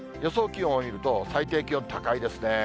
気温を見ると、最低気温高いですね。